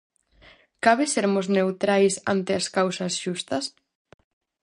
Cabe sermos neutrais ante as causas xustas?